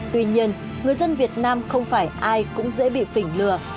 tuy nhiên người dân việt nam không phải ai cũng dễ bị phỉnh lừa